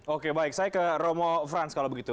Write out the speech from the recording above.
oke baik saya ke romo frans kalau begitu